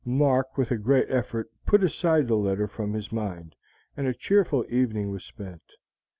Mark, with a great effort, put aside the letter from his mind, and a cheerful evening was spent.